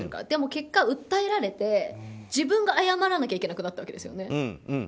でも結果訴えられて自分が謝らなきゃいけなくなったんですよね。